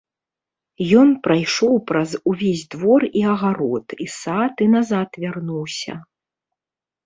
Ён прайшоў праз увесь двор і агарод, і сад і назад вярнуўся.